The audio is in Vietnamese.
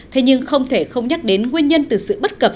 thế nhưng không thể không nhắc đến nguyên nhân từ sự bất cập